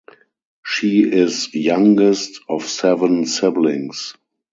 She is youngest of seven siblings.